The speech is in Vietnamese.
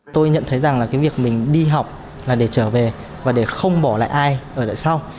tôi nhận thấy rằng là cái việc mình đi học là để trở về và để không bỏ lại ai ở lại sau